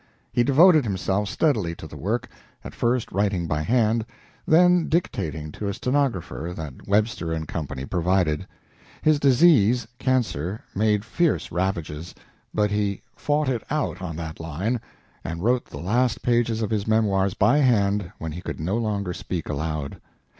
He devoted himself steadily to the work at first writing by hand, then dictating to a stenographer that Webster & Co. provided. His disease, cancer, made fierce ravages, but he "fought it out on that line," and wrote the last pages of his memoirs by hand when he could no longer speak aloud.